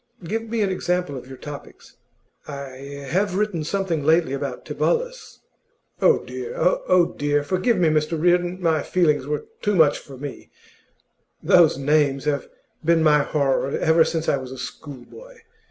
Give me an example of your topics.' 'I have written something lately about Tibullus.' 'Oh, dear! Oh, dear! Forgive me, Mr Reardon; my feelings were too much for me; those names have been my horror ever since I was a schoolboy.